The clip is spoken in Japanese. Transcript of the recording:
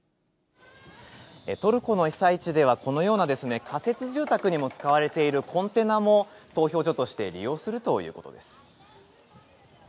トルコの被災地では、このような仮設住宅にも使われているコンテナも投票所として利用するということです。